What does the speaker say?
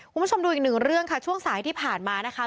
คุณผู้ชมดูอีกหนึ่งเรื่องค่ะช่วงสายที่ผ่านมานะคะ